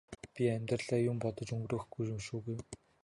би амьдралаа юм бодож өнгөрөөхгүй шүү гэв.